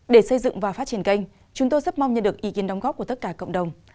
để xây dựng và phát triển kênh chúng tôi rất mong nhận được ý kiến đóng góp của tất cả cộng đồng